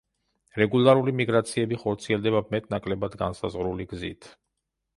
რეგულარული მიგრაციები ხორციელდება მეტ-ნაკლებად განსაზღვრული გზით.